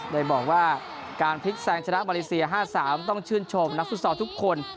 โดยบอกว่าการพลิกแซงชนะมาเลเซีย๕๓ต้องชื่นชมนักฟุตซอลทุกคน